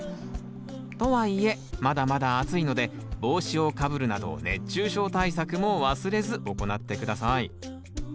とはいえまだまだ暑いので帽子をかぶるなど熱中症対策も忘れず行って下さい。